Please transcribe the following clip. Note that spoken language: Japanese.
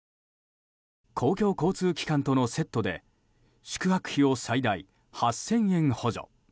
公共交通機関とのセットで宿泊費を最大８０００円補助。